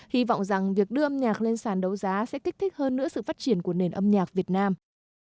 hy vọng rằng việc đưa âm nhạc lên sàn đấu giá sẽ kích thích hơn nữa sự phát triển của nền âm nhạc việt nam